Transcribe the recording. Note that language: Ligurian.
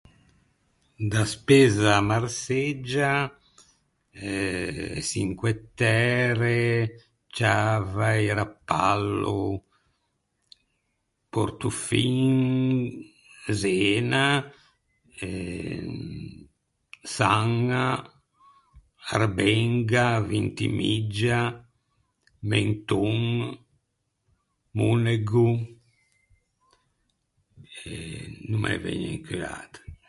Da Spezza à Marseggia, e Çinque Tære, Ciavai, Rapallo, Portofin, Zena, Saña, Arbenga, Vintimiggia, Menton, Monego e no me ne vëgne in cheu atre.